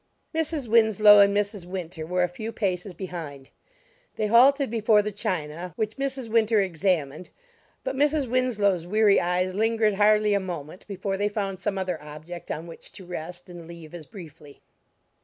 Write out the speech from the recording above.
Mrs. Winslow and Mrs. Winter were a few paces behind. They halted before the china, which Mrs. Winter examined; but Mrs. Winslow's weary eyes lingered hardly a moment before they found some other object on which to rest and leave as briefly.